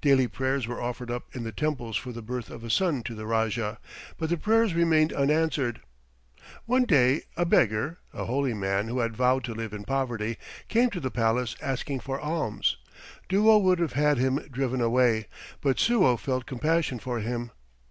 Daily prayers were offered up in the temples for the birth of a son to the Rajah, but the prayers remained unanswered. One day a beggar, a holy man who had vowed to live in poverty, came to the palace asking for alms. Duo would have had him driven away, but Suo felt compassion for him.